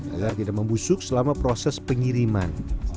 agar tidak membusuk selama proses pengiriman